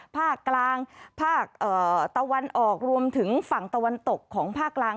ภาคกลางภาคตะวันออกรวมถึงฝั่งตะวันตกของภาคกลาง